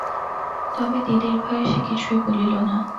তবে দিদির ভয়ে সে কিছুই বলিল না।